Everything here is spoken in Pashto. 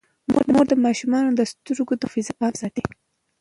مور د ماشومانو د سترګو د محافظت پام ساتي.